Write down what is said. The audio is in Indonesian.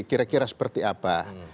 kira kira seperti apa